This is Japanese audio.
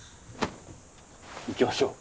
行きましょう！